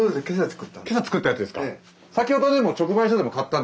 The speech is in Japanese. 今朝作ったやつですか？